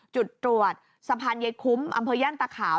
จุดตรวจสะพานใยคุ้มอำเภอย่านตะขาว